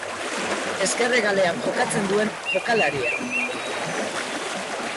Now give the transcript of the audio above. Ezker hegalean jokatzen duen jokalaria.